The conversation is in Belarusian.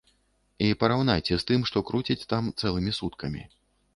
І параўнайце з тым, што круцяць там цэлымі суткамі.